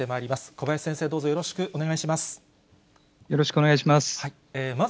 小林先生、どうぞよろしくお願いいたします。